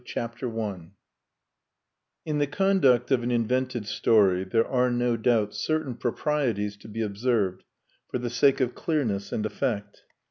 PART SECOND I In the conduct of an invented story there are, no doubt, certain proprieties to be observed for the sake of clearness and effect.